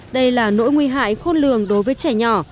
đây là nỗi nguy hại khôn lường đối với trẻ nhỏ